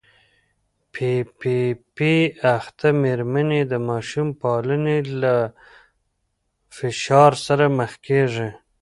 پي پي پي اخته مېرمنې د ماشوم پالنې له فشار سره مخ کېږي.